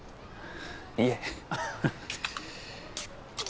いえ。